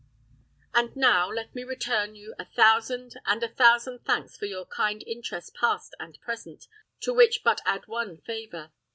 And now, let me return you a thousand and a thousand thanks for your kind interest past and present; to which but add one favour.